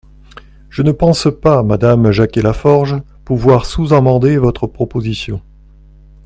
Je ne pense pas, madame Jacquier-Laforge, pouvoir sous-amender votre proposition.